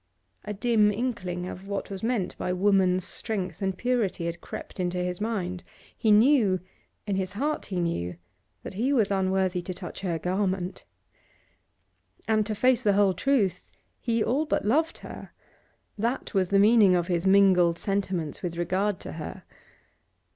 A dim inkling of what was meant by woman's strength and purity had crept into his mind; he knew in his heart he knew that he was unworthy to touch her garment. And, to face the whole truth, he all but loved her; that was the meaning of his mingled sentiments with regard to her.